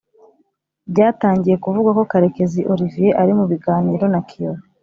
Byatangiye kuvugwa ko Karekezi Olivier ari mu biganiro na Kiyovu